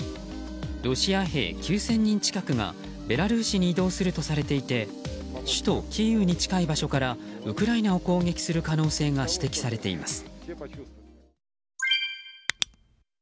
ロシア兵９０００人近くがベラルーシに移動するとされていて首都キーウに近い場所からウクライナを攻撃する可能性が指摘されています。